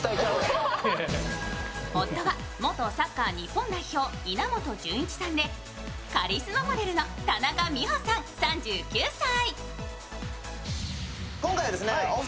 夫は元サッカー日本代表稲本潤一さんでカリスマモデルの田中美穂さん３９歳。